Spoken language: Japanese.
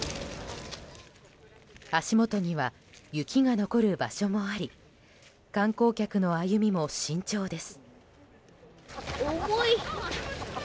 足元には雪が残る場所もあり観光客の歩みも慎重です。